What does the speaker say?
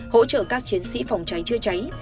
hỗ trợ các chiến sĩ phòng cháy chưa cháy